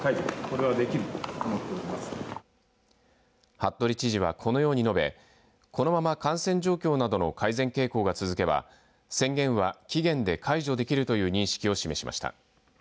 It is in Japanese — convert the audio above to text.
服部知事は、このように述べこのまま感染状況などの改善傾向が続けば宣言は期限で解除できるという認識を示しました。